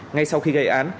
ngay sau khi gây án